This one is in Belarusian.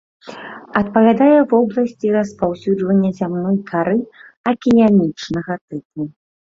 Адпавядае вобласці распаўсюджвання зямной кары акіянічнага тыпу.